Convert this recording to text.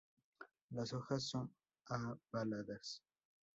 Las hojas son avaladas.